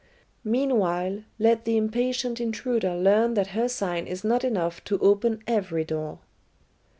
Meanwhile, let the impatient intruder learn that her sign is not enough to open every door."